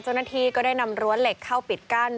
เจ้าหน้าที่ก็ได้นำรั้วเหล็กเข้าปิดกั้น